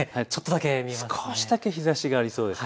少しだけ日ざしがありそうです。